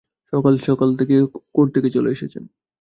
সকাল-সকাল court থেকে চলে এসেছেন।